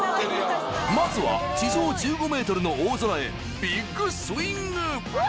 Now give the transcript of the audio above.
まずは地上１５ｍの大空へビッグスイングうわ！